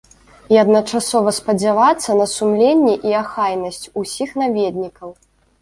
І адначасова спадзявацца на сумленне і ахайнасць усіх наведнікаў.